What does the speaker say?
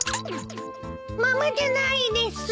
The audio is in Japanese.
ママじゃないです。